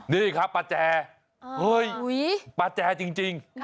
นี่ครับป้าแจเฮ้ยป้าแจจริง